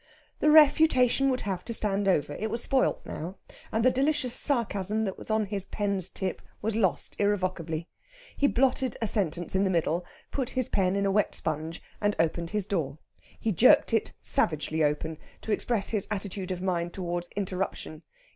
The refutation would have to stand over; it was spoiled now, and the delicious sarcasm that was on his pen's tip was lost irrevocably. He blotted a sentence in the middle, put his pen in a wet sponge, and opened his door. He jerked it savagely open to express his attitude of mind towards interruption.